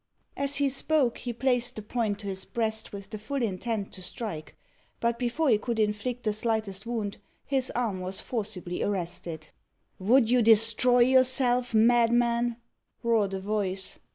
As he spoke, he placed the point to his breast with the full intent to strike, but before he could inflict the slightest wound, his arm was forcibly arrested. "Would you destroy yourself, madman?" roared a voice.